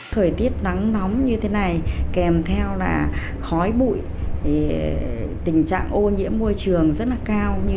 thời tiết nắng nóng như thế này kèm theo là khói bụi tình trạng ô nhiễm môi trường rất là cao